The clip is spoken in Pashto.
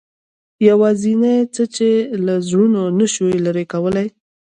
یوازینۍ څه چې له زړونو نه شو لرې کولای.